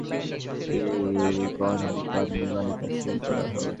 এরপর সেখানে কলেজের নামে একটি বিপণিবিতান নির্মাণের কাজ শুরু করা হয়।